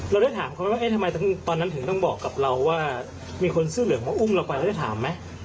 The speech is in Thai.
แล้วได้ถามเขาก็ว่าทำไมขนมตอนนั้นถึงต้องบอกกับเราว่ามีคนซื่อเหลืองก่อนมากก็ได้ถามไหม